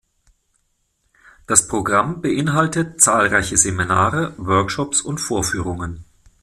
Das Programm beinhaltet zahlreiche Seminare, Workshops und Vorführungen.